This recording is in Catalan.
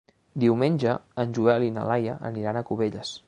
Diumenge en Joel i na Laia aniran a Cubelles.